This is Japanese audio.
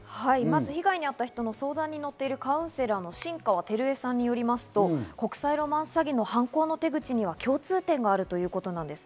被害に遭った人の相談に乗っているカウンセラーの新川てるえさんによりますと、国際ロマンス詐欺の犯行の手口には共通点があるということです。